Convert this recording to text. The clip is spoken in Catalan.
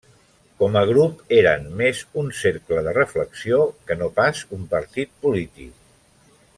Com a grup, eren més un cercle de reflexió que no pas un partit polític.